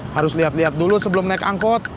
harus lihat lihat dulu sebelum naik angkot